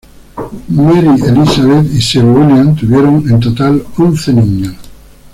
Mary Elizabeth y Sir William tuvieron en total once niños.